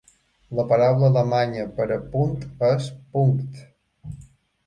La paraula alemanya per a "punt" és "Punkt".